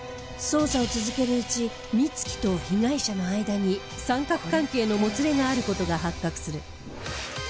捜査を続けるうち美月と被害者の間に三角関係のもつれがある事が発覚する。